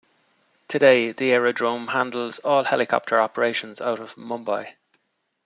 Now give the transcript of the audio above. Today, the aerodrome handles all helicopter operations out of Mumbai.